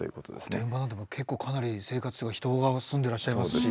御殿場なんて結構かなり生活人が住んでらっしゃいますし。